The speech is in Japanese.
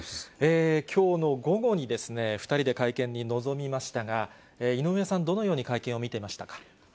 きょうの午後に、２人で会見に臨みましたが、井上さん、どのように会見を見てましたか？